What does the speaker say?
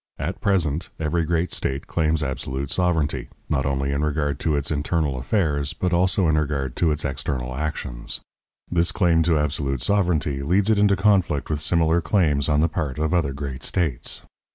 At present, every great state claims absolute sovereignty, not only in regard to its internal affairs but also in regard to its external actions. This claim to absolute sovereignty leads it into conflict with similar claims on the part of other great states.